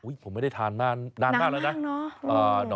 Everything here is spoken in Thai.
วิ่ยผมไม่ได้ทานนานมากแล้วนะเหมาะนอน